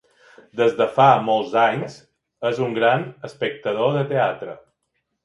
Des de fa molts anys, és un gran espectador de teatre.